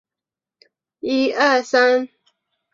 必要的健康证明要做到全国互认